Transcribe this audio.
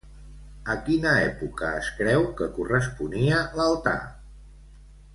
A quina època es creu que corresponia l'altar?